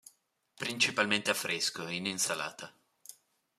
Principalmente a fresco, in insalata.